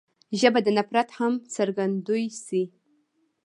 ژبه د نفرت هم څرګندوی شي